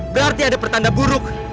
berarti ada pertanda buruk